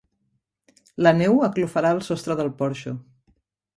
La neu aclofarà el sostre del porxo.